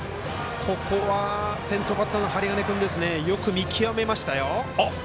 ここは先頭バッターの針金君よく見極めましたよ。